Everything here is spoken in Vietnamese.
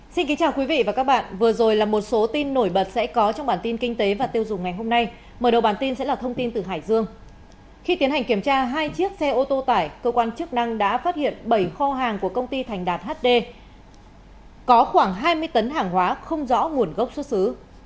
xin kính chào quý vị và các bạn vừa rồi là một số tin nổi bật sẽ có trong bản tin kinh tế và tiêu dùng ngày hôm nay mở đầu bản tin sẽ là thông tin từ hải dương khi tiến hành kiểm tra hai chiếc xe ô tô tải cơ quan chức năng đã phát hiện bảy kho hàng của công ty thành đạt hd có khoảng hai mươi tấn hàng hóa không rõ nguồn gốc xuất xứ